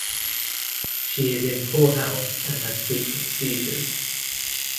She is in poor health and has frequent seizures.